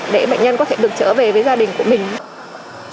để bệnh nhân có thể được trở về với gia đình của mình